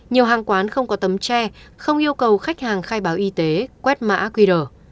nhiều hàng quán không có tấm tre không yêu cầu khách hàng khai báo y tế quét mã qr